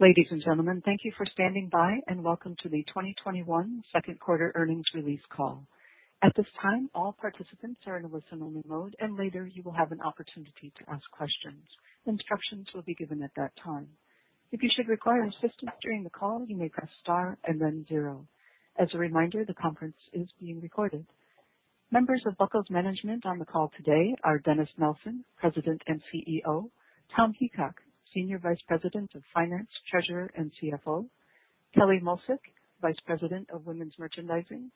Ladies and gentlemen, thank you for standing by, and welcome to the 2021 second quarter earnings release call. At this time, all participants are in a listen only mode, and later you will have an opportunity to ask questions. Instructions will be given at that time. If you should require assistance during the call, you may press star and then zero. As a reminder, the conference is being recorded. Members of Buckle's management on the call today are Dennis Nelson, President and CEO, Tom Heacock, Senior Vice President of Finance, Treasurer, and CFO, Kelli Molczyk, Vice President of Women's Merchandising,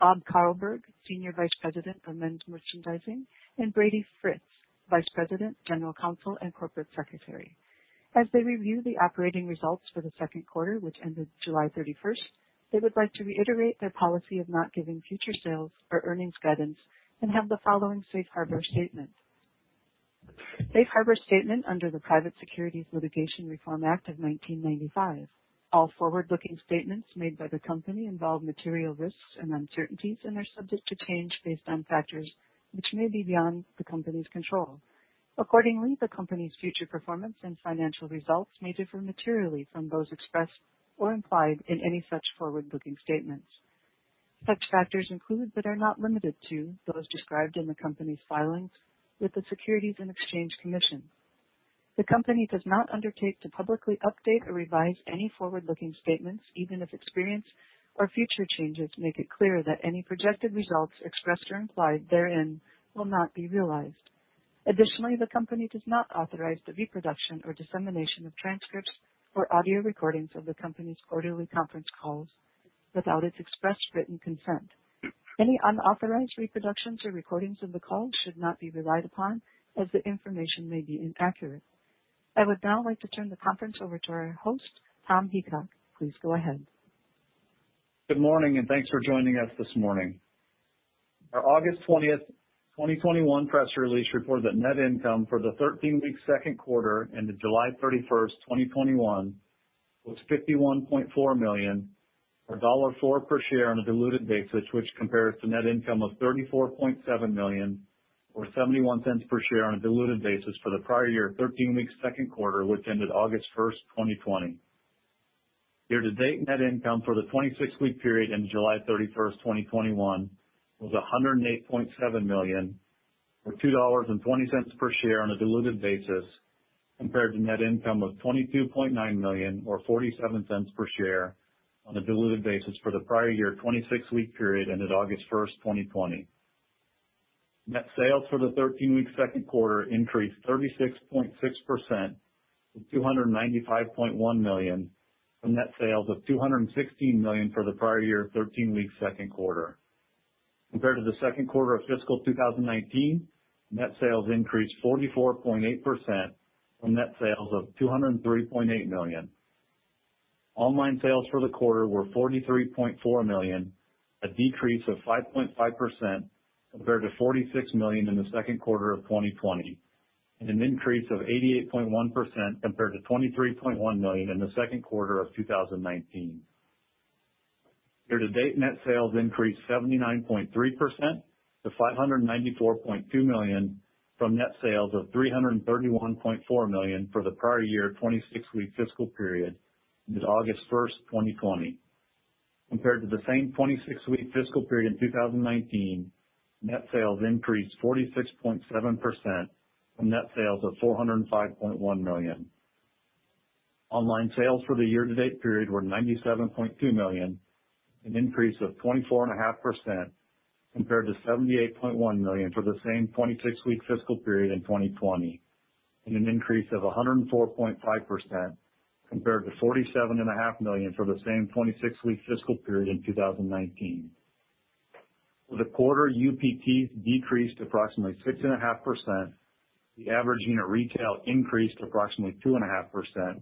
Bob Carlberg, Senior Vice President of Men's Merchandising, and Brady Fritz, Vice President, General Counsel, and Corporate Secretary. As they review the operating results for the second quarter, which ended July 31st, they would like to reiterate their policy of not giving future sales or earnings guidance and have the following safe harbor statement. Safe harbor statement under the Private Securities Litigation Reform Act of 1995. All forward-looking statements made by the company involve material risks and uncertainties and are subject to change based on factors which may be beyond the company's control. Accordingly, the company's future performance and financial results may differ materially from those expressed or implied in any such forward-looking statements. Such factors include, but are not limited to, those described in the company's filings with the Securities and Exchange Commission. The company does not undertake to publicly update or revise any forward-looking statements, even if experience or future changes make it clear that any projected results expressed or implied therein will not be realized. Additionally, the company does not authorize the reproduction or dissemination of transcripts or audio recordings of the company's quarterly conference calls without its express written consent. Any unauthorized reproductions or recordings of the call should not be relied upon as the information may be inaccurate. I would now like to turn the conference over to our host, Tom Heacock. Please go ahead. Good morning, and thanks for joining us this morning. Our August 20th, 2021 press release reported that net income for the 13-week second quarter ended July 31st, 2021 was $51.4 million, or $1.04 per share on a diluted basis, which compares to net income of $34.7 million, or $0.71 per share on a diluted basis for the prior year 13-week second quarter, which ended August 1st, 2020. Year-to-date net income for the 26-week period ended July 31st, 2021 was $108.7 million or $2.20 per share on a diluted basis, compared to net income of $22.9 million or $0.47 per share on a diluted basis for the prior year 26-week period ended August 1st, 2020. Net sales for the 13-week second quarter increased 36.6% to $295.1 million from net sales of $216 million for the prior year 13-week second quarter. Compared to the second quarter of fiscal 2019, net sales increased 44.8% from net sales of $203.8 million. Online sales for the quarter were $43.4 million, a decrease of 5.5% compared to $46 million in the second quarter of 2020, and an increase of 88.1% compared to $23.1 million in the second quarter of 2019. Year-to-date net sales increased 79.3% to $594.2 million from net sales of $331.4 million for the prior year 26-week fiscal period ended August 1st, 2020. Compared to the same 26-week fiscal period in 2019, net sales increased 46.7% from net sales of $405.1 million. Online sales for the year-to-date period were $97.2 million, an increase of 24.5% compared to $78.1 million for the same 26-week fiscal period in 2020, and an increase of 104.5% compared to $47.5 million for the same 26-week fiscal period in 2019. For the quarter, UPTs decreased approximately 6.5%, the average unit retail increased approximately 2.5%,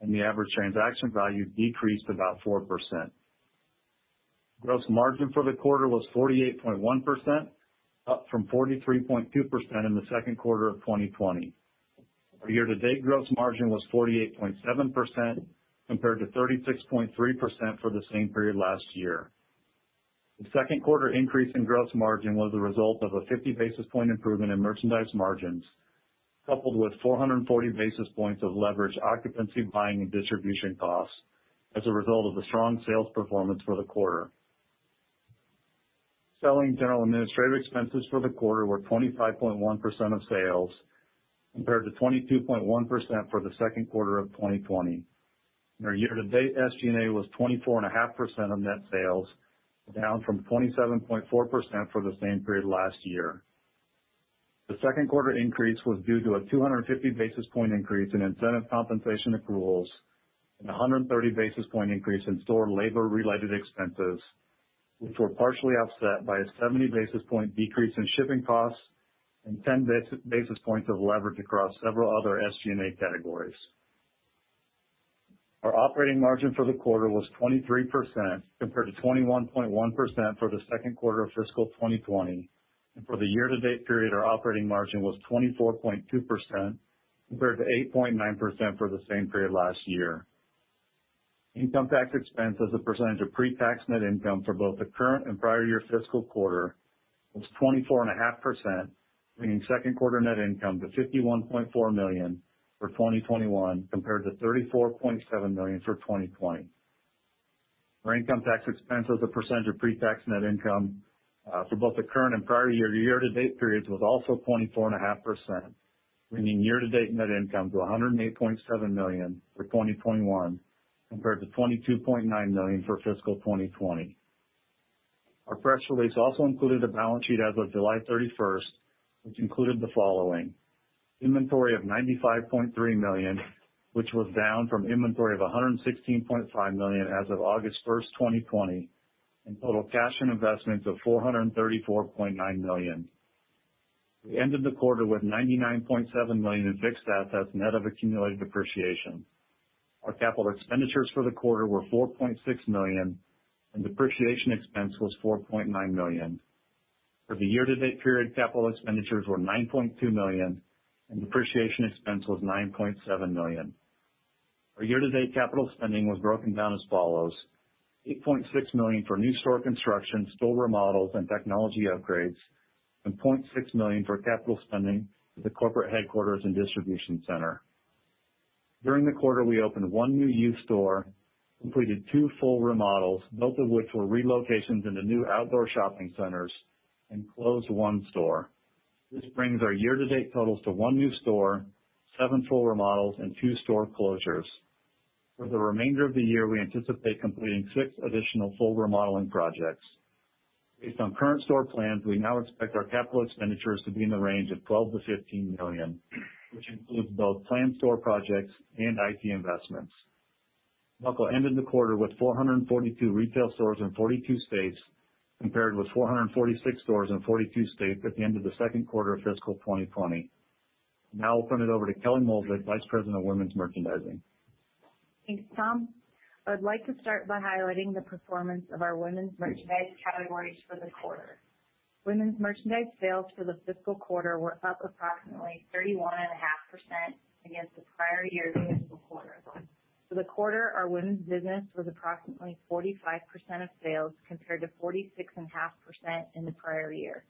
and the average transaction value decreased about 4%. Gross margin for the quarter was 48.1%, up from 43.2% in the second quarter of 2020. Our year to date gross margin was 48.7% compared to 36.3% for the same period last year. The second quarter increase in gross margin was the result of a 50 basis point improvement in merchandise margins, coupled with 440 basis points of leverage occupancy buying and distribution costs as a result of the strong sales performance for the quarter. Selling general administrative expenses for the quarter were 25.1% of sales, compared to 22.1% for the second quarter of 2020. Our year to date SG&A was 24.5% of net sales, down from 27.4% for the same period last year. The second quarter increase was due to a 250 basis point increase in incentive compensation accruals and a 130 basis point increase in store labor-related expenses, which were partially offset by a 70 basis point decrease in shipping costs and 10 basis points of leverage across several other SG&A categories. Our operating margin for the quarter was 23% compared to 21.1% for the second quarter of fiscal 2020. For the year-to-date period, our operating margin was 24.2% compared to 8.9% for the same period last year. Income tax expense as a percentage of pre-tax net income for both the current and prior year fiscal quarter was 24.5%, bringing second quarter net income to $51.4 million for 2021 compared to $34.7 million for 2020. Our income tax expense as a percentage of pre-tax net income for both the current and prior year year-to-date periods was also 24.5%, bringing year-to-date net income to $108.7 million for 2021 compared to $22.9 million for fiscal 2020. Our press release also included a balance sheet as of July 31st, which included the following, inventory of $95.3 million, which was down from inventory of $116.5 million as of August 1st, 2020, and total cash and investments of $434.9 million. We ended the quarter with $99.7 million in fixed assets, net of accumulated depreciation. Our capital expenditures for the quarter were $4.6 million, and depreciation expense was $4.9 million. For the year-to-date period, capital expenditures were $9.2 million, and depreciation expense was $9.7 million. Our year-to-date capital spending was broken down as follows: $8.6 million for new store construction, store remodels, and technology upgrades, and $0.6 million for capital spending at the corporate headquarters and distribution center. During the quarter, we opened one new youth store, completed two full remodels, both of which were relocations into new outdoor shopping centers, and closed one store. This brings our year-to-date totals to one new store, seven full remodels, and two store closures. For the remainder of the year, we anticipate completing six additional full remodeling projects. Based on current store plans, we now expect our capital expenditures to be in the range of $12 million-$15 million, which includes both planned store projects and IT investments. Buckle ended the quarter with 442 retail stores in 42 states, compared with 446 stores in 42 states at the end of the second quarter of fiscal 2020. I'll turn it over to Kelli Molczyk, Vice President of Women's Merchandising. Thanks, Tom. I'd like to start by highlighting the performance of our women's merchandise categories for the quarter. Women's merchandise sales for the fiscal quarter were up approximately 31.5% against the prior year's quarter. For the quarter, our women's business was approximately 45% of sales, compared to 46.5% in the prior year.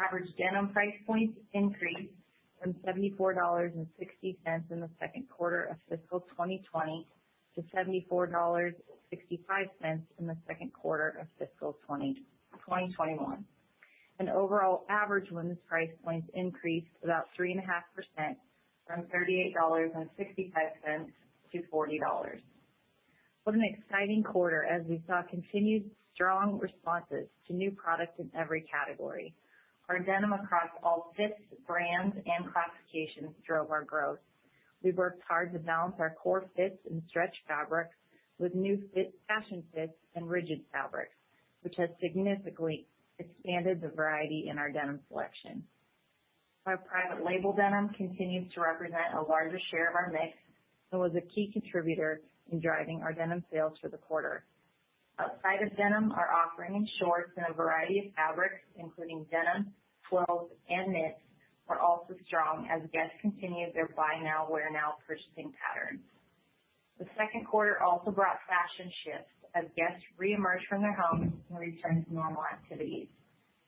Average denim price points increased from $74.60 in the second quarter of fiscal 2020 to $74.65 in the second quarter of fiscal 2021. Overall average women's price points increased about 3.5% from $38.65-$40. What an exciting quarter as we saw continued strong responses to new products in every category. Our denim across all fits, brands, and classifications drove our growth. We worked hard to balance our core fits and stretch fabrics with new fashion fits and rigid fabrics, which has significantly expanded the variety in our denim selection. Our private label denim continues to represent a larger share of our mix and was a key contributor in driving our denim sales for the quarter. Outside of denim, our offering in shorts in a variety of fabrics, including denim, twills, and knits, were also strong as guests continued their buy now, wear now purchasing patterns. The second quarter also brought fashion shifts as guests reemerged from their homes and returned to normal activities.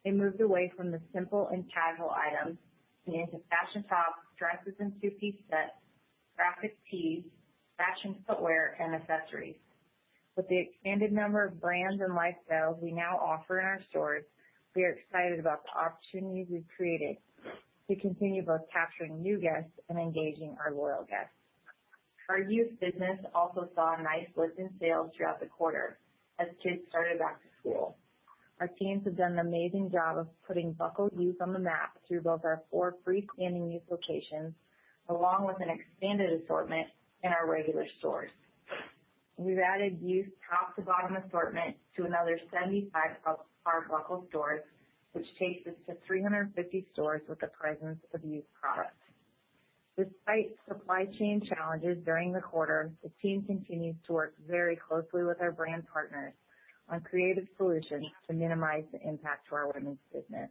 They moved away from the simple and casual items and into fashion tops, dresses and two-piece sets, graphic tees, fashion footwear, and accessories. With the expanded number of brands and lifestyles we now offer in our stores, we are excited about the opportunities we've created to continue both capturing new guests and engaging our loyal guests. Our youth business also saw a nice lift in sales throughout the quarter as kids started back to school. Our teams have done an amazing job of putting Buckle Youth on the map through both our four freestanding youth locations, along with an expanded assortment in our regular stores. We've added youth top-to-bottom assortment to another 75 Buckle stores, which takes us to 350 stores with the presence of youth products. Despite supply chain challenges during the quarter, the team continues to work very closely with our brand partners on creative solutions to minimize the impact to our women's business.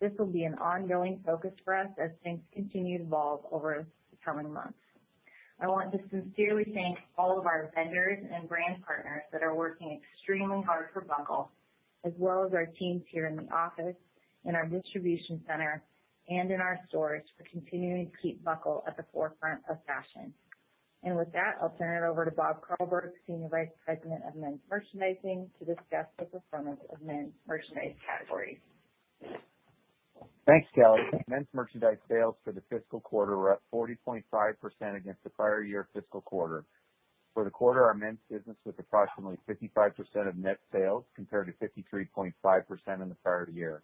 This will be an ongoing focus for us as things continue to evolve over the coming months. I want to sincerely thank all of our vendors and brand partners that are working extremely hard for Buckle, as well as our teams here in the office, in our distribution center, and in our stores for continuing to keep Buckle at the forefront of fashion. With that, I'll turn it over to Bob Carlberg, Senior Vice President of Men's Merchandising, to discuss the performance of men's merchandise categories. Thanks, Kelli. Men's merchandise sales for the fiscal quarter were up 40.5% against the prior year fiscal quarter. For the quarter, our men's business was approximately 55% of net sales, compared to 53.5% in the prior year.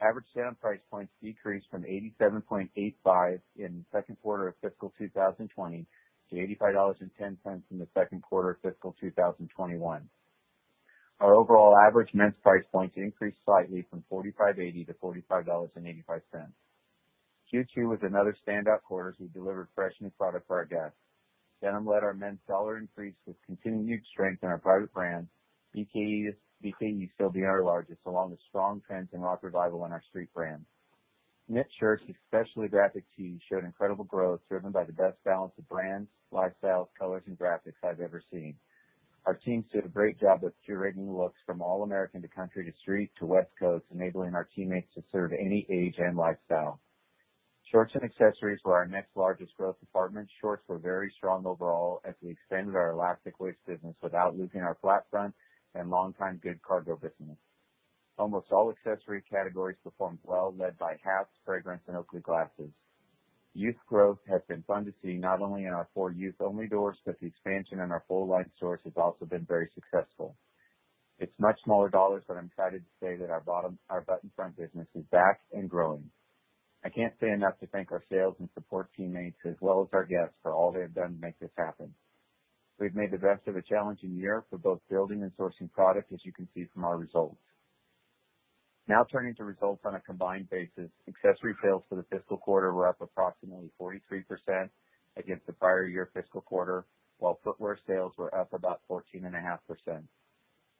Average denim price points decreased from $87.85 in the second quarter of fiscal 2020 to $85.10 in the second quarter of fiscal 2021. Our overall average men's price points increased slightly from $45.80-$45.85. Q2 was another standout quarter as we delivered fresh new product for our guests. Denim led our men's dollar increase with continued strength in our private brands. BKE still being our largest, along with strong trends in Rock Revival and our Street brands. Knit shirts, especially graphic tees, showed incredible growth driven by the best balance of brands, lifestyles, colors, and graphics I've ever seen. Our teams did a great job of curating looks from all American to country to street to West Coast, enabling our teammates to serve any age and lifestyle. Shorts and accessories were our next largest growth department. Shorts were very strong overall as we extended our elastic waist business without losing our flat front and longtime good cargo business. Almost all accessory categories performed well, led by hats, fragrance, and Oakley glasses. Youth growth has been fun to see, not only in our four Youth-only doors, but the expansion in our full line stores has also been very successful. It's much smaller dollars, but I'm excited to say that our button front business is back and growing. I can't say enough to thank our sales and support teammates as well as our guests for all they have done to make this happen. We've made the best of a challenging year for both building and sourcing product, as you can see from our results. Turning to results on a combined basis. Accessory sales for the fiscal quarter were up approximately 43% against the prior year fiscal quarter, while footwear sales were up about 14.5%.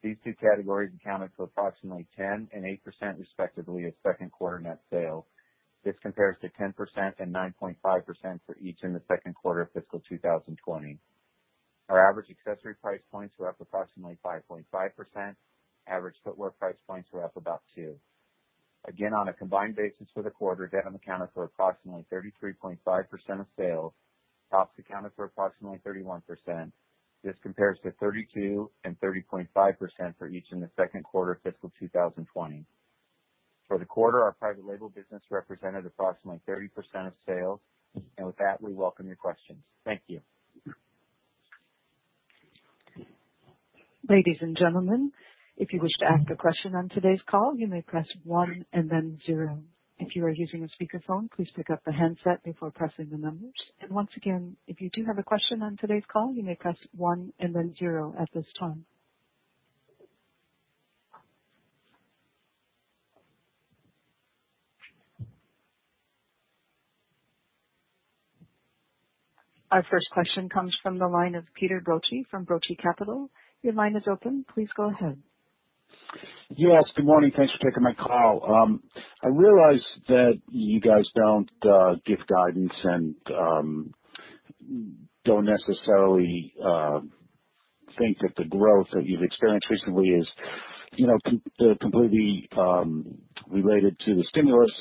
These two categories accounted for approximately 10% and 8% respectively of second quarter net sales. This compares to 10% and 9.5% for each in the second quarter of fiscal 2020. Our average accessory price points were up approximately 5.5%. Average footwear price points were up about 2%. Again, on a combined basis for the quarter, denim accounted for approximately 33.5% of sales. Tops accounted for approximately 31%. This compares to 32% and 30.5% for each in the second quarter of fiscal 2020. For the quarter, our private label business represented approximately 30% of sales. With that, we welcome your questions. Thank you. Ladies and gentlemen, if you wish to ask a question on today's call, you may press one and then zero. If you are using a speakerphone, please pick up the handset before pressing the numbers. Once again, if you do have a question on today's call, you may press one and then zero at this time. Our first question comes from the line of Peter Brotchie from Brotchie Capital. Your line is open. Please go ahead. Yes, good morning. Thanks for taking my call. I realize that you guys don't give guidance and don't necessarily think that the growth that you've experienced recently is, you know, completely related to the stimulus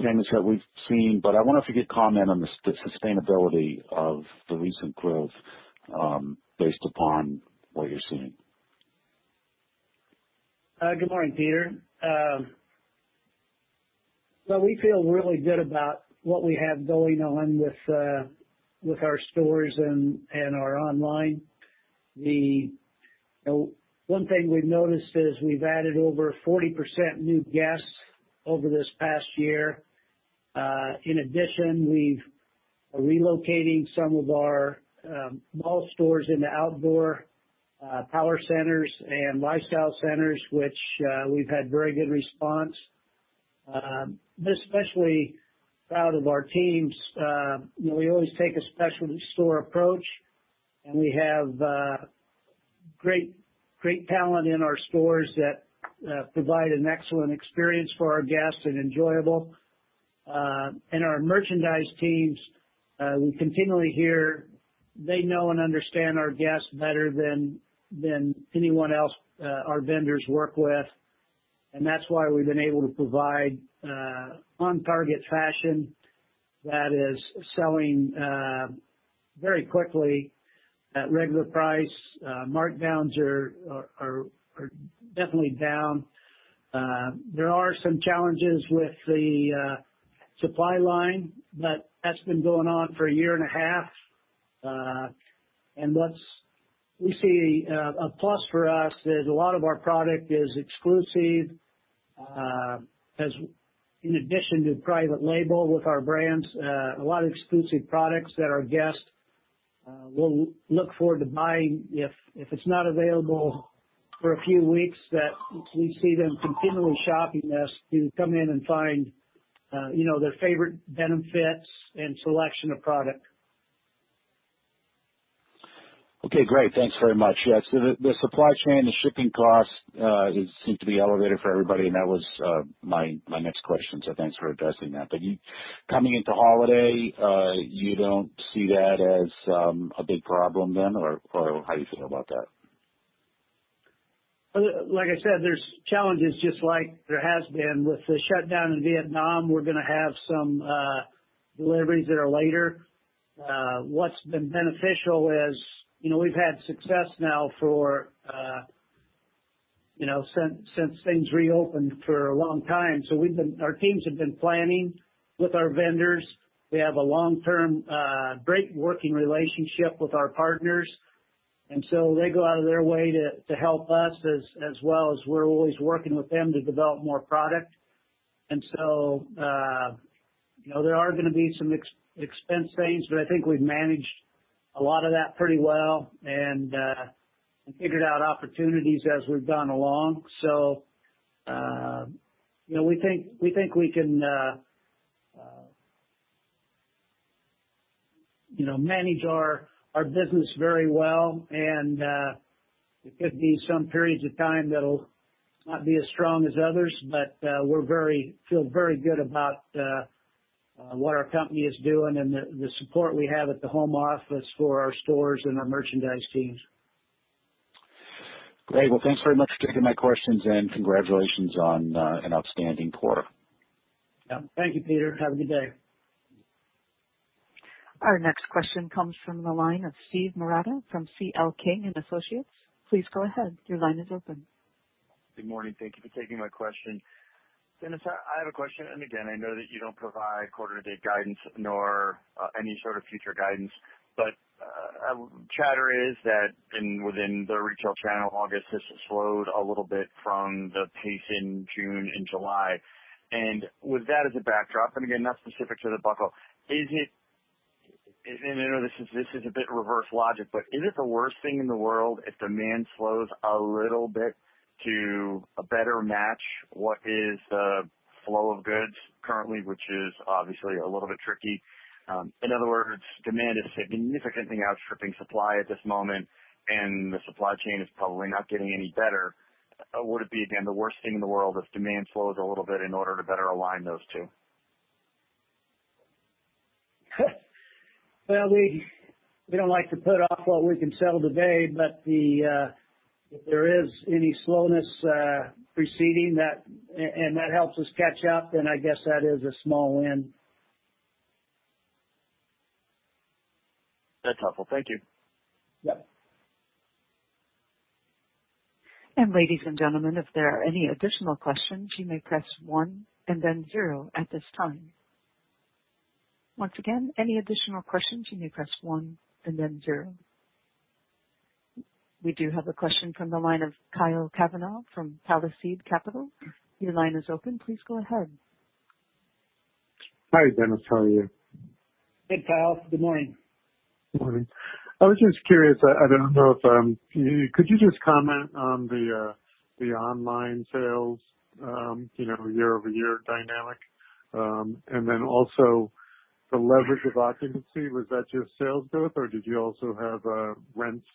payments that we've seen. I wonder if you could comment on the sustainability of the recent growth based upon what you're seeing. Good morning, Peter. We feel really good about what we have going on with our stores and our online. The one thing we've noticed is we've added over 40% new guests over this past year. In addition, we are relocating some of our mall stores into outdoor power centers and lifestyle centers, which we've had very good response. Especially proud of our teams. You know, we always take a specialty store approach, and we have great talent in our stores that provide an excellent experience for our guests and enjoyable. And our merchandise teams, we continually hear they know and understand our guests better than anyone else our vendors work with. That's why we've been able to provide on-target fashion that is selling very quickly at regular price. Markdowns are definitely down. There are some challenges with the supply line, but that's been going on for a year and a half. We see a plus for us is a lot of our product is exclusive. As in addition to private label with our brands, a lot of exclusive products that our guests will look forward to buying. If it's not available for a few weeks, that we see them continually shopping us to come in and find, you know, their favorite denim fits and selection of product. Okay, great. Thanks very much. The supply chain, the shipping costs, seem to be elevated for everybody, and that was my next question, so thanks for addressing that. Coming into holiday, you don't see that as a big problem then or how are you feeling about that? Like I said, there's challenges just like there has been. With the shutdown in Vietnam, we're gonna have some deliveries that are later. What's been beneficial is, you know, we've had success now for, you know, since things reopened for a long time. Our teams have been planning with our vendors. We have a long-term, great working relationship with our partners, they go out of their way to help us as well as we're always working with them to develop more product. You know, there are gonna be some expense things, but I think we've managed a lot of that pretty well and figured out opportunities as we've gone along. You know, we think we can. You know, manage our business very well. There could be some periods of time that'll not be as strong as others, but we feel very good about what our company is doing and the support we have at the home office for our stores and our merchandise teams. Great. Well, thanks very much for taking my questions, and congratulations on an outstanding quarter. Yeah. Thank you, Peter. Have a good day. Our next question comes from the line of Steve Marotta from C.L. King & Associates. Please go ahead. Your line is open. Good morning. Thank you for taking my question. Dennis, I have a question. Again, I know that you don't provide quarter-to-date guidance nor any sort of future guidance. Chatter is that within the retail channel, August has slowed a little bit from the pace in June and July. With that as a backdrop, again, not specific to The Buckle, I know this is a bit reverse logic, is it the worst thing in the world if demand slows a little bit to better match what is the flow of goods currently, which is obviously a little bit tricky. In other words, demand is significantly outstripping supply at this moment, the supply chain is probably not getting any better. Would it be, again, the worst thing in the world if demand slows a little bit in order to better align those two? Well, we don't like to put off what we can settle today, but the, if there is any slowness preceding that and that helps us catch up, then I guess that is a small win. That's helpful. Thank you. Yeah. Ladies and gentlemen, if there are any additional questions, you may press one and then zero at this time. Once again, any additional questions, you may press one and then zero. We do have a question from the line of Kyle Kavanaugh from Palisade Capital. Your line is open. Please go ahead. Hi, Dennis. How are you? Hey, Kyle. Good morning. Morning. I was just curious. I don't know if, you could you just comment on the online sales, you know, year-over-year dynamic? Then also the leverage of occupancy, was that just sales growth, or did you also have rents,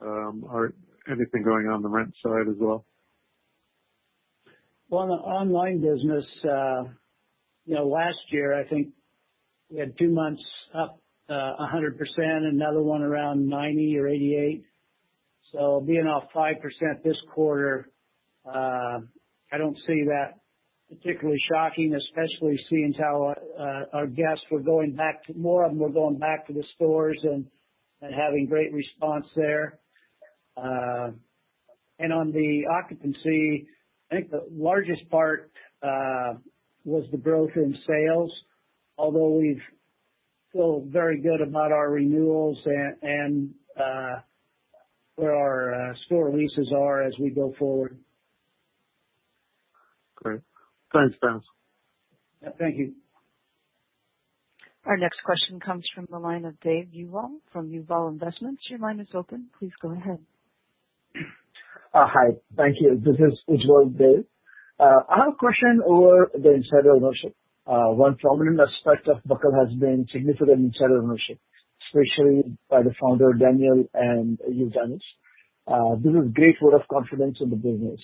or anything going on the rent side as well? On the online business, you know, last year, I think we had two months up 100%, another one around 90% or 88%. Being off 5% this quarter, I don't see that particularly shocking, especially seeing how our guests were going back to the stores and having great response there. On the occupancy, I think the largest part was the growth in sales, although we feel very good about our renewals and where our store leases are as we go forward. Great. Thanks, Dennis. Yeah. Thank you. Our next question comes from the line of Dave Ujjval from Ujjval Investments. Your line is open. Please go ahead. Hi. Thank you. This is Ujjval Dave. I have a question over the insider ownership. One prominent aspect of Buckle has been significant insider ownership, especially by the founder, Daniel, and you, Dennis. This is great vote of confidence in the business.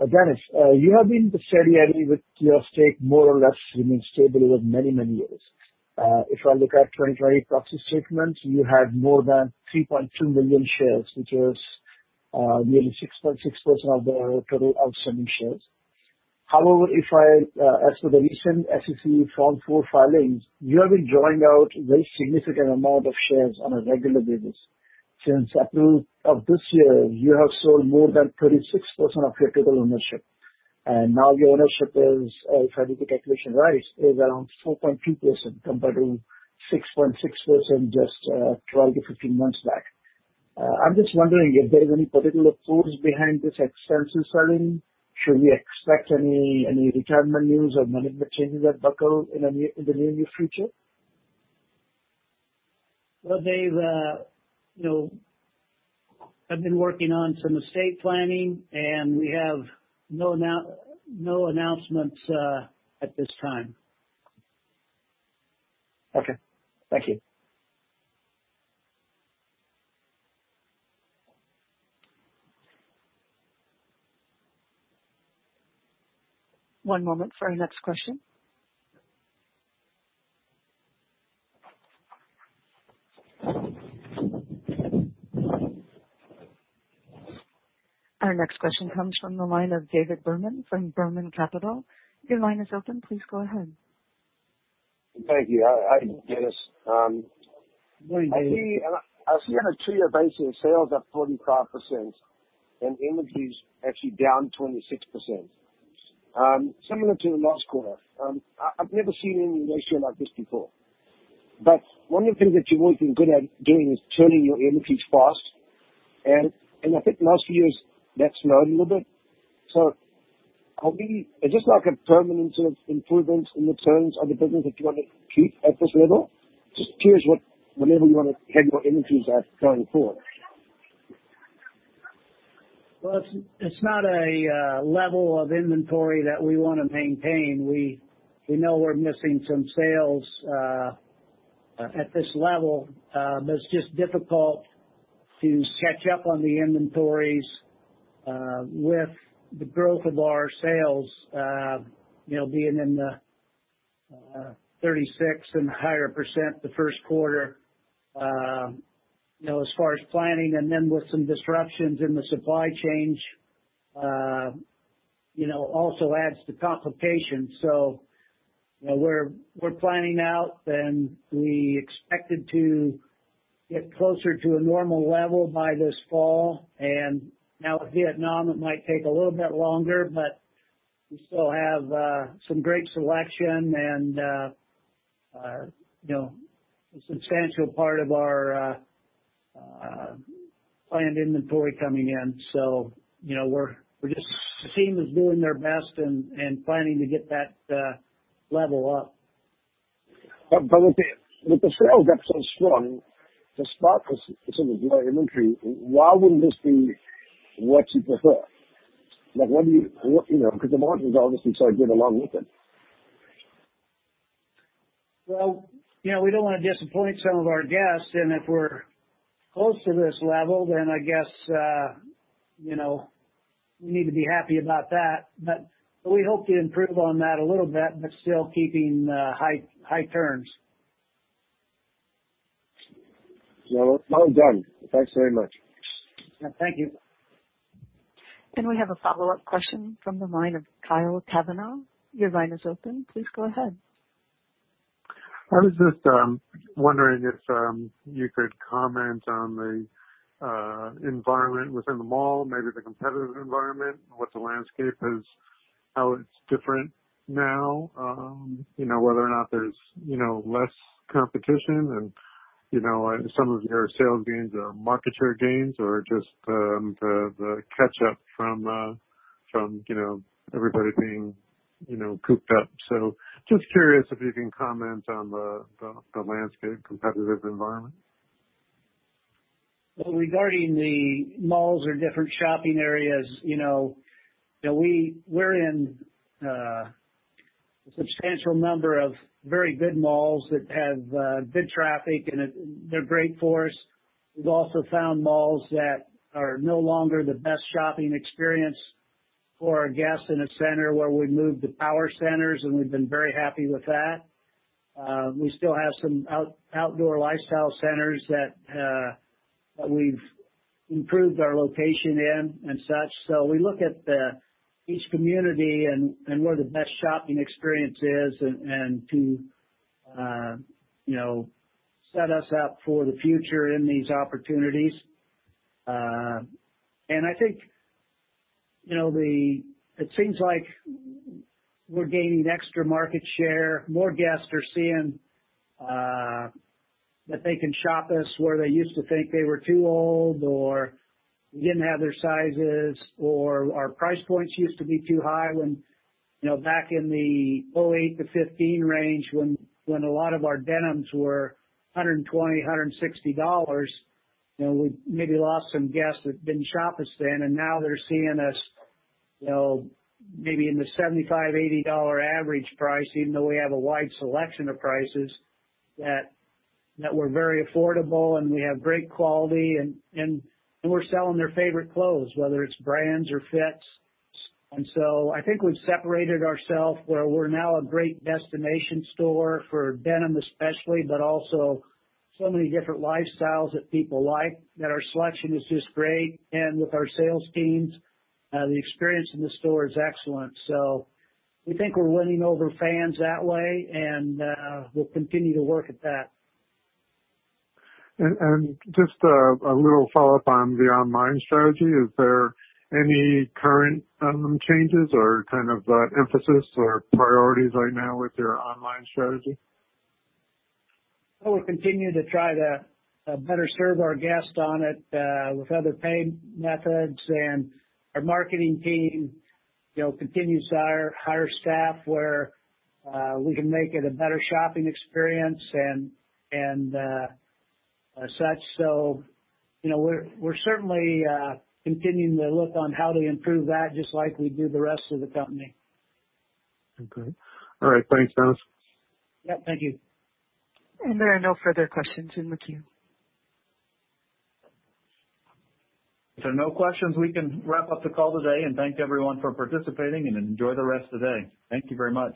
Dennis, you have been steady with your stake more or less remained stable over many years. If I look at 2020 proxy statements, you had more than 3.2 million shares, which is nearly 6.6% of the total outstanding shares. If I, as per the recent SEC Form 4 filings, you have been drawing out very significant amount of shares on a regular basis. Since April of this year, you have sold more than 36% of your total ownership, now your ownership is, if I did the calculation right, is around 4.2%, compared to 6.6% just, 12 to 15 months back. I'm just wondering if there is any particular cause behind this extensive selling. Should we expect any retirement news or management changes at Buckle in the near future. Well, Dave, you know, I've been working on some estate planning, and we have no announcements at this time. Okay. Thank you. One moment for our next question. Our next question comes from the line of David Berman from Berman Capital. Your line is open. Please go ahead. Thank you. Hi, Dennis. Good morning, David. I see on a two-year basis, sales up 45% and inventories actually down 26%. Similar to last quarter. I've never seen any ratio like this before. One of the things that you've always been good at doing is turning your inventories fast. I think the last few years that's slowed a little bit. Is this like a permanent sort of improvement in the turns of the business that you want to keep at this level? Just curious what level you wanna have your inventories at going forward. Well, it's not a level of inventory that we wanna maintain. We know we're missing some sales at this level, but it's just difficult to catch up on the inventories with the growth of our sales, you know, being in the 36% and higher the first quarter. You know, as far as planning and then with some disruptions in the supply chain, you know, also adds to complications. You know, we're planning out and we expected to get closer to a normal level by this fall. Now with Vietnam, it might take a little bit longer, but we still have some great selection and, you know, a substantial part of our planned inventory coming in. You know, we're just the team is doing their best and planning to get that level up. With the sales up so strong, to stock this sort of low inventory, why wouldn't this be what you prefer? Like, why do you know, 'cause the margin's obviously started going along with it? Well, you know, we don't wanna disappoint some of our guests, and if we're close to this level then I guess, you know, we need to be happy about that. We hope to improve on that a little bit, but still keeping high turns. Well, well done. Thanks very much. Thank you. We have a follow-up question from the line of Kyle Kavanaugh. Your line is open. Please go ahead. I was just wondering if you could comment on the environment within the mall, maybe the competitive environment, what the landscape is, how it's different now? You know, whether or not there's, you know, less competition and, you know, some of your sales gains are market share gains or just the catch up from, you know, everybody being, you know, cooped up. Just curious if you can comment on the landscape competitive environment? Well, regarding the malls or different shopping areas, you know, we're in a substantial number of very good malls that have good traffic, and they're great for us. We've also found malls that are no longer the best shopping experience for our guests in a center where we've moved to power centers, and we've been very happy with that. We still have some outdoor lifestyle centers that we've improved our location in and such. We look at each community and where the best shopping experience is and to, you know, set us up for the future in these opportunities. I think, you know, it seems like we're gaining extra market share. More guests are seeing, that they can shop us where they used to think they were too old or we didn't have their sizes or our price points used to be too high when, you know, back in the 2008 to 2015 range when a lot of our denims were $120, $160. You know, we maybe lost some guests that didn't shop us then, and now they're seeing us, you know, maybe in the $75, $80 average price, even though we have a wide selection of prices, that we're very affordable, and we have great quality and we're selling their favorite clothes, whether it's brands or fits. I think we've separated ourself where we're now a great destination store for denim especially, but also so many different lifestyles that people like, that our selection is just great. With our sales teams, the experience in the store is excellent. We think we're winning over fans that way, and we'll continue to work at that. Just a little follow-up on the online strategy. Is there any current changes or kind of emphasis or priorities right now with your online strategy? Well, we'll continue to try to better serve our guests on it with other payment methods. Our marketing team, you know, continues to hire staff where we can make it a better shopping experience and as such. You know, we're certainly continuing to look on how to improve that just like we do the rest of the company. Okay. All right. Thanks, Dennis. Yeah. Thank you. There are no further questions in the queue. If there are no questions, we can wrap up the call today. Thank everyone for participating and enjoy the rest of the day. Thank you very much.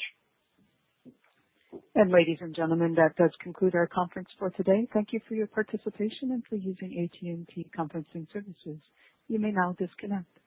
Ladies and gentlemen, that does conclude our conference for today. Thank you for your participation and for using AT&T Conferencing Services. You may now disconnect.